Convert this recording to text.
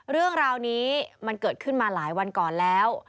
เรื่องราวนี้มันเกิดขึ้นมาหลายวันก่อนแล้ว